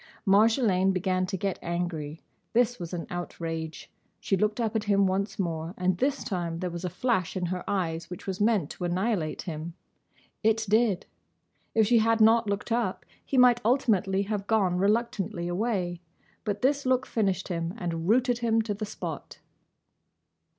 Marjolaine began to get angry. This was an outrage. She looked up at him once more, and this time there was a flash in her eyes which was meant to annihilate him. It did. If she had not looked up, he might ultimately have gone reluctantly away. But this look finished him and rooted him to the spot.